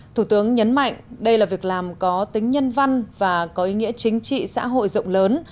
thủ tướng nhấn mạnh đây là việc làm có tính nhân văn và có ý nghĩa chính trị xã hội rộng lớn